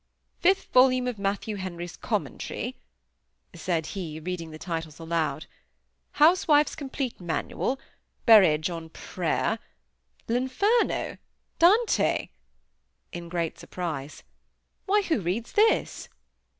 "Fifth volume of Matthew Henry's Commentary," said he, reading their titles aloud. "Housewife's complete Manual; Berridge on Prayer; L'Inferno—Dante!" in great surprise. "Why, who reads this?"